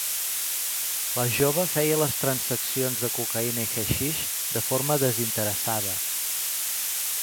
La jove feia les transaccions de cocaïna i haixix de forma desinteressada.